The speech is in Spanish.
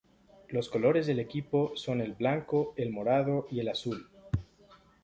Los colores del equipo son el blanco, el morado y el azul.